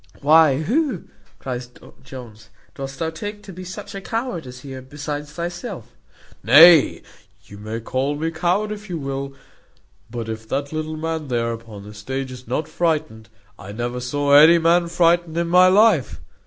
"Why, who," cries Jones, "dost thou take to be such a coward here besides thyself?" "Nay, you may call me coward if you will; but if that little man there upon the stage is not frightened, I never saw any man frightened in my life.